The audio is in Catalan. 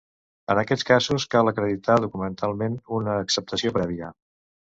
En aquests casos, cal acreditar documentalment una acceptació prèvia.